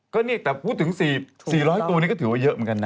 ก็นี่แต่พูดถึง๔๐๐ตัวนี่ก็ถือว่าเยอะเหมือนกันนะ